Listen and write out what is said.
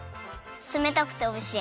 つめたくておいしい。